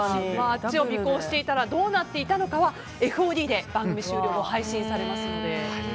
あっちを尾行していたらどうなっていたのかはＦＯＤで番組終了後配信されますので。